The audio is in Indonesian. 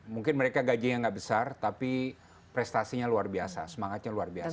mungkin mereka gajinya nggak besar tapi prestasinya luar biasa semangatnya luar biasa